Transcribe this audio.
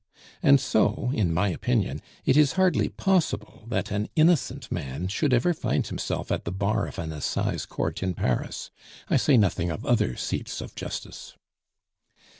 And so, in my opinion, it is hardly possible that an innocent man should ever find himself at the bar of an Assize Court in Paris I say nothing of other seats of justice.